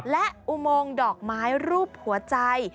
และอุโมงดอกไม้รูปหัวใจ